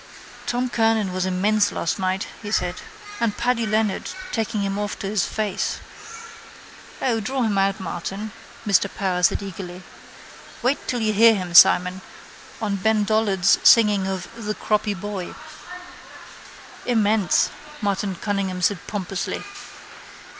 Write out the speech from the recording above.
—Tom Kernan was immense last night, he said. And Paddy Leonard taking him off to his face. —O, draw him out, Martin, Mr Power said eagerly. Wait till you hear him, Simon, on Ben Dollard's singing of The Croppy Boy. —Immense, Martin Cunningham said pompously.